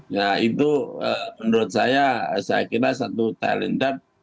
nah itu menurut saya saya kira satu talent up